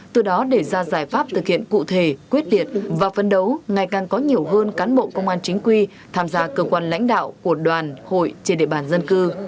từ đó để ra giải pháp thực hiện cụ thể quyết liệt và phân đấu ngày càng có nhiều hơn cán bộ công an chính quy tham gia cơ quan lãnh đạo của đoàn hội trên địa bàn dân cư